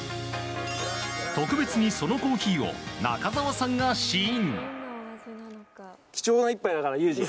特別にそのコーヒーを中澤さんが試飲。